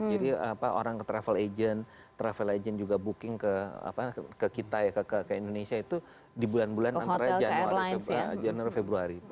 jadi orang ke travel agent travel agent juga booking ke kita ya ke indonesia itu di bulan bulan antara januari februari